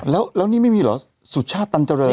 แล้วนี่ไม่มีเหรอสุชาติตันเจริญ